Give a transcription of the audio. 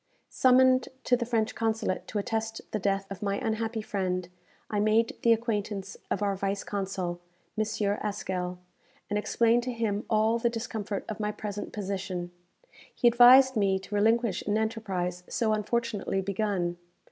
Summoned to the French Consulate to attest the death of my unhappy friend, I made the acquaintance of our vice consul, M. Haskell, and explained to him all the discomfort of my present position. He advised me to relinquish an enterprise so unfortunately begun.